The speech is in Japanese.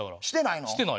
してないの？